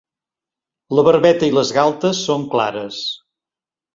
La barbeta i les galtes són clares.